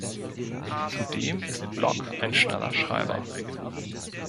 Zudem ist Block ein schneller Schreiber.